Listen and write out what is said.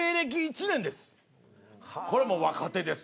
これもう若手です。